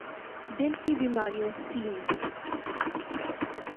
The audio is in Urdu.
دل کی بیماریوں س